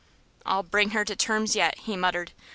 "I'll bring her to terms yet," he muttered.